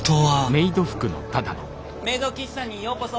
メイド喫茶にようこそ。